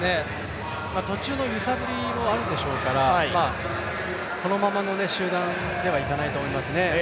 途中の揺さぶりもあるでしょうからこのままの集団ではいかないと思いますね。